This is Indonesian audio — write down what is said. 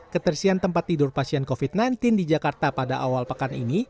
ketersian tempat tidur pasien covid sembilan belas di jakarta pada awal pekan ini